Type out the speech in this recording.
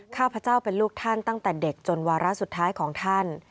ข้าพเจ้าเป็นลูกท่านตั้งแต่เด็กจนวาระสุดท้ายของท่าน